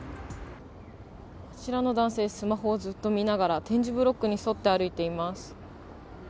あちらの男性スマホをずっと見ながら点字ブロックに沿って歩いています。